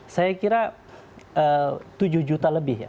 saya kira tujuh juta lebih ya